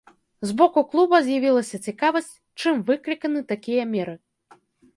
З боку клуба з'явілася цікавасць, чым выкліканы такія меры.